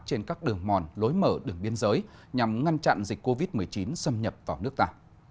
trên các đường mòn lối mở đường biên giới nhằm ngăn chặn dịch covid một mươi chín xâm nhập vào nước ta